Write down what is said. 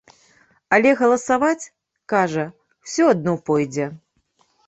Але галасаваць, кажа, усё адно пойдзе.